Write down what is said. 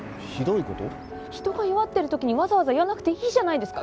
人が弱ってるときにわざわざ言わなくていいじゃないですか。